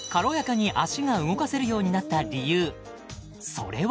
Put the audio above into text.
それは